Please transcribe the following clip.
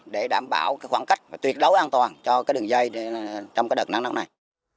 để đảm bảo khoảng cách tuyệt đối an toàn cho đường dây trong đợt nắng nắng này